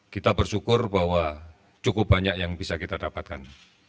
kita bersyukur bahwa cukup banyak yang bisa kita dapatkan